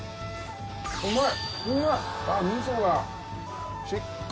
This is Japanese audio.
うまい！